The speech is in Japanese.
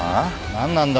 何なんだ？